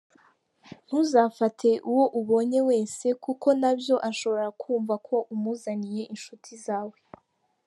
Ntuzafate uwo ubonye wese kuko nabyo ashobora kumva ko umuzaniye inshuti zawe.